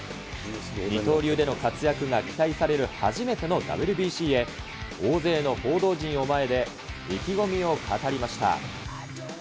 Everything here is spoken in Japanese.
二刀流での活躍が期待される初めてのＷＢＣへ、大勢の報道陣の前で、意気込みを語りました。